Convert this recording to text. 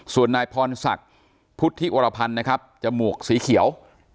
ส่วนนายพรศักดีภพุทธิอุรพันธ์จมูกสีเขียว